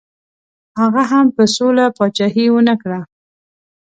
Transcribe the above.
هغه هم په سوله پاچهي ونه کړه.